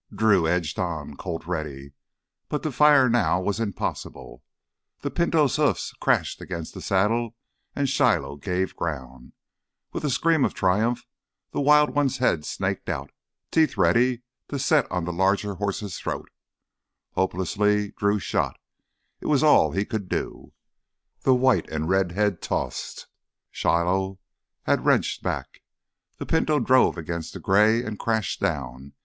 Drew edged on, Colt ready. But to fire now was impossible. The Pinto's hoofs crashed against the saddle and Shiloh gave ground. With a scream of triumph the wild one's head snaked out, teeth ready to set on the larger horse's throat. Hopelessly, Drew shot—it was all he could do. The white and red head tossed. Shiloh had wrenched back. The Pinto drove against the gray and crashed down.